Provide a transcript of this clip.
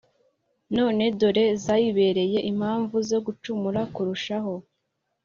none dore zayibereye impamvu yo gucumura kurushaho.